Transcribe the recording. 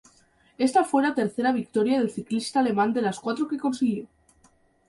Esta fue la tercera victoria del ciclista alemán de las cuatro que consiguió.